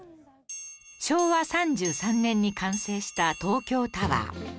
昭和３３年に完成した東京タワー